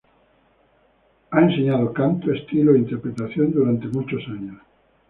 Ha enseñado canto, estilo e interpretación durante muchos años.